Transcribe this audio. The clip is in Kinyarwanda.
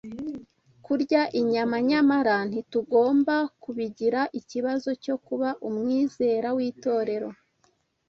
Kurya inyama nyamara ntitugomba kubigira ikibazo cyo kuba umwizera w’itorero,